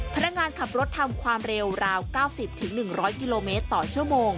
พนักงานขับรถทำความเร็วราว๙๐๑๐๐กิโลเมตรต่อชั่วโมง